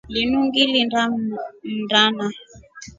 Linu ngilinda mndana.